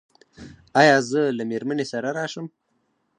ایا زه له میرمنې سره راشم؟